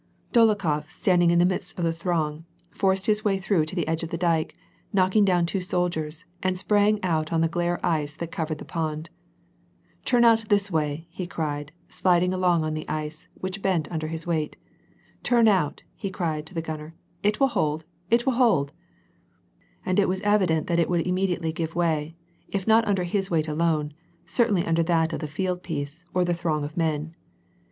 Dolokhof, standing in the midst of the throng, forced bis way through to the edge of the dyke, knocking down two sol diers, and sprang out on the glare ice that covered the pond. " Turn out this way !'' he cried, sliding along on the ice, which bent under his weight. " Turn out," he cried to tbe gunner, " it will hold ! it will hold !" The ice held him, but it yielded and cracked, and it was evi dent that it would immediately give way, if not under bis weight alone, certainly under that of the field piece, or tbe throng of men.